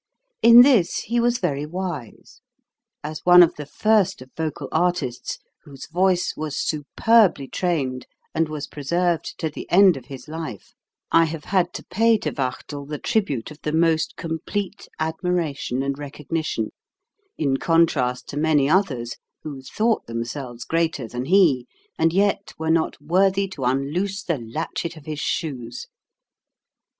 In this he was very wise. As one of the first of vocal artists, whose voice was superbly trained and was preserved to the end of his life, I have had to pay to 167 168 HOW TO SING Wachtel the tribute of the most complete admiration and recognition, in contrast to many others who thought themselves greater than he, and yet were not worthy to unloose the latchet of his shoes.